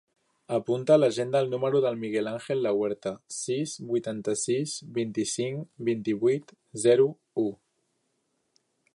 Apunta a l'agenda el número del Miguel àngel Lahuerta: sis, vuitanta-sis, vint-i-cinc, vint-i-vuit, zero, u.